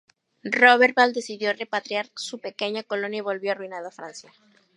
Roberval decidió repatriar su pequeña colonia y volvió arruinado a Francia.